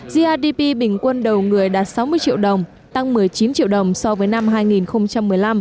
grdp bình quân đầu người đạt sáu mươi triệu đồng tăng một mươi chín triệu đồng so với năm hai nghìn một mươi năm